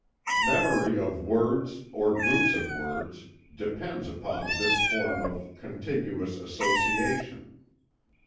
Memory of words, or groups of words, depends upon this form of contigious association.